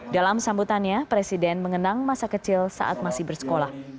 dalam sambutannya presiden mengenang masa kecil saat masih bersekolah